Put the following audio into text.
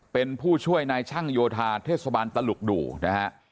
เป็นผู้ช่วยนายช่างโยธาเทศบาลตลุกดูนะฮะ